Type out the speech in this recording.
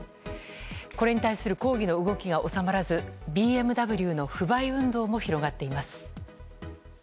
これに対する抗議の動きが収まらずＢＭＷの不買運動も広がっています。